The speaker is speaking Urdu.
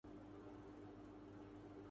تو ضمانت ضبط ہو جاتی ہے۔